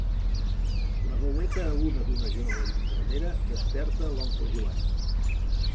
La veueta aguda d'una jove infermera desperta l'oncle Joan.